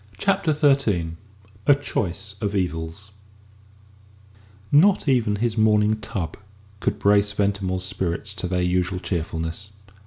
CHAPTER XIII A CHOICE OF EVILS Not even his morning tub could brace Ventimore's spirits to their usual cheerfulness.